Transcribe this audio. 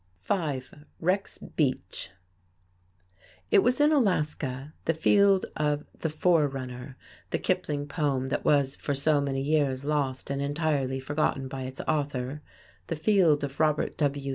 [Illustration: REX BEACH] Rex Beach FIVE It was in Alaska the field of "The Forerunner," the Kipling poem that was for so many years lost and entirely forgotten by its author, the field of Robert W.